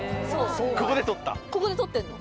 ここで撮ってんの。